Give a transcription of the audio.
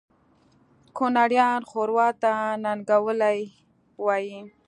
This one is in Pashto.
کونړیان ښوروا ته ننګولی وایي